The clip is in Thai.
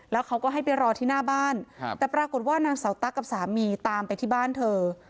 แล้วเขาก็ให้ไปรอที่หน้าบ้านแต่ปรากฏว่านางเสาตั๊กกับสามีตามไปที่บ้านเธอ